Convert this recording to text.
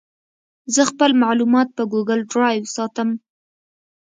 زه خپل معلومات په ګوګل ډرایو ساتم.